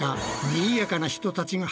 にぎやかな人たちだ